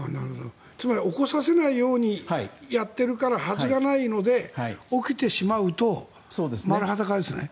つまり起こさせないようにやっているからはずがないので起きてしまうと丸裸ですね。